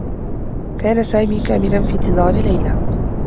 كان سامي كامنا في انتظار ليلى.